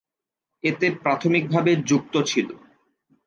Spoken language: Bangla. এতে প্রাথমিকভাবে যুক্ত ছিল।